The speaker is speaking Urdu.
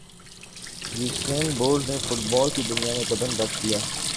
یوسین بولٹ نے فٹبال کی دنیا میں قدم رکھ دیا